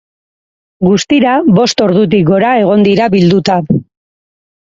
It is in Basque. Guztira bost ordutik gora egon dira bilduta.